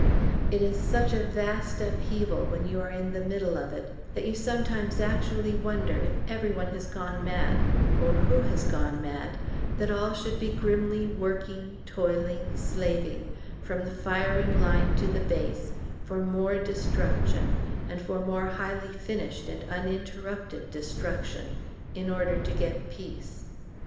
It is such a vast upheaval when you are in the middle of it, that you sometimes actually wonder if every one has gone mad, or who has gone mad, that all should be grimly working, toiling, slaving, from the firing line to the base, for more Destruction, and for more highly finished and uninterrupted Destruction, in order to get Peace.